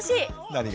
何が？